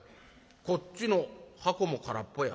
こっちの箱も空っぽや。